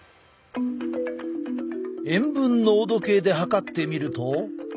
塩分濃度計で測ってみると。